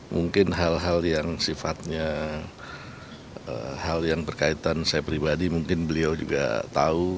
mungkin hal hal yang sifatnya hal yang berkaitan saya pribadi mungkin beliau juga tahu